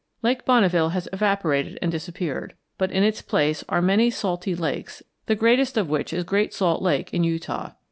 Lake Bonneville has evaporated and disappeared, but in its place are many salty lakes, the greatest of which is Great Salt Lake in Utah.